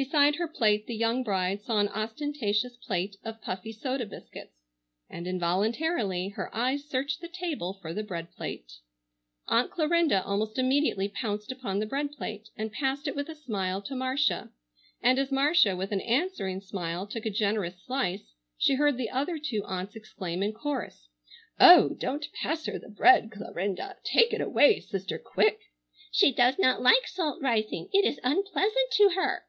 Beside her plate the young bride saw an ostentatious plate of puffy soda biscuits, and involuntarily her eyes searched the table for the bread plate. Aunt Clarinda almost immediately pounced upon the bread plate and passed it with a smile to Marcia, and as Marcia with an answering smile took a generous slice she heard the other two aunts exclaim in chorus, "Oh, don't pass her the bread, Clarinda; take it away sister, quick! She does not like salt rising! It is unpleasant to her!"